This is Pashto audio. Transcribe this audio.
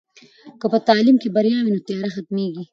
که په تعلیم کې بریا وي، نو تیاره ختمېږي.